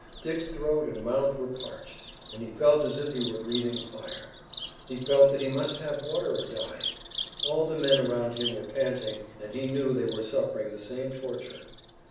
Dick's throat and mouth were parched, and he felt as if he were breathing fire. He felt that he must have water or die. All the men around him were panting, and he knew they were suffering the same torture.